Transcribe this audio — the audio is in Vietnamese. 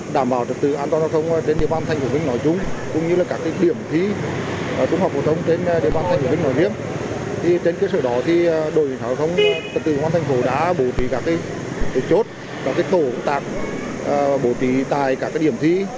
đội thảo thông trật tự an toàn thành phố đã bố trí các cái chốt các cái tổ tạc bố trí tại các cái điểm thi